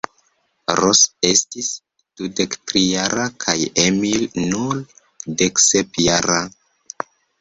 Ros estis dudektrijara kaj Emil nur deksepjara.